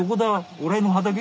俺の畑？